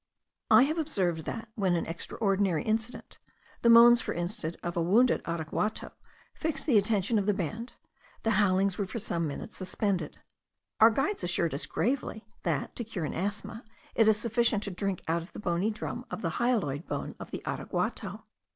I have observed that, when an extraordinary incident, the moans for instance of a wounded araguato, fixed the attention of the band, the howlings were for some minutes suspended. Our guides assured us gravely, that, to cure an asthma, it is sufficient to drink out of the bony drum of the hyoidal bone of the araguato.